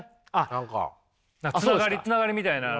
つながりみたいなのがね。